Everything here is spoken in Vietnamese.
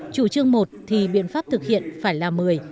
chủ trương một thì biện pháp thực hiện phải là một mươi